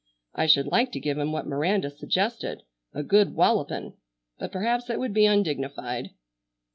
I should like to give him what Miranda suggested, a good 'wallupin',' but perhaps that would be undignified."